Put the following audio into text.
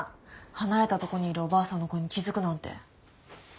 離れたとこにいるおばあさんの声に気付くなんて。